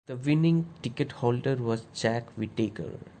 The winning ticketholder was Jack Whittaker.